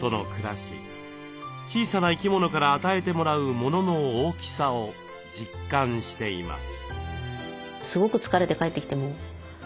小さな生き物から与えてもらうものの大きさを実感しています。